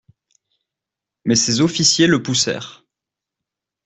Mais ses officiers le poussèrent.